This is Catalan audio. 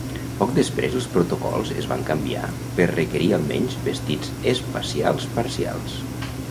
Poc després els protocols es van canviar per requerir almenys vestits espacials parcials.